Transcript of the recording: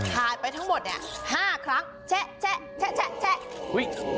ถ่ายไปทั้งหมดเนี่ย๕ครั้งเชะเชะเชะเชะ